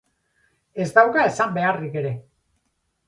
Ez dauka esan beharrik ere.